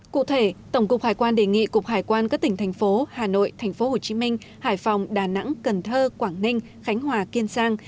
cụ thể tổng cục hải quan đề nghị cục hải quan các tỉnh thành phố hà nội thành phố hồ chí minh hải phòng đà nẵng cần thơ quảng ninh khánh hòa kiên sang